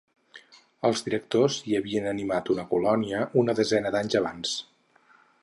Els directors hi havien animat una colònia una desena d'anys abans.